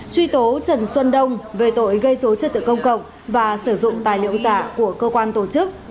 truy tố trần xuân đông về tội gây dối trật tự công cộng và sử dụng tài liệu giả của cơ quan tổ chức